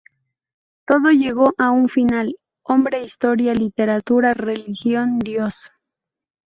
Todo llegó a un final –hombre, historia, literatura, religión, Dios.